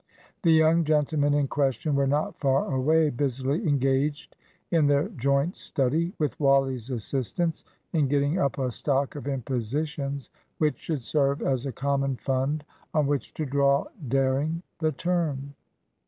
The young gentlemen in question were not far away busily engaged in their joint study, with Wally's assistance, in getting up a stock of impositions, which should serve as a common fund on which to draw daring the term.